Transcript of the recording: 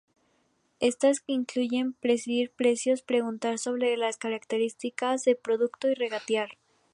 Estas incluyen: pedir precios, preguntar sobre las características de un producto y regatear.